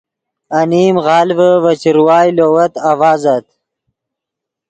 انیم غالڤے ڤے چروائے لووت آڤازت